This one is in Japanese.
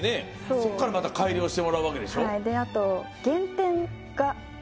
そっからまた改良してもらうわけでしょ減点？